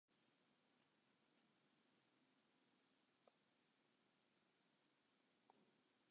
Nei it ûngelok rieden de ambulânsen ôf en oan.